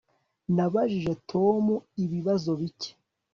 Nabajije Tom ibibazo bike